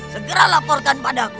segera laporkan padaku